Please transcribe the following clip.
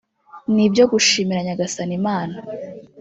ni ibyo gushimira Nyagasani Imana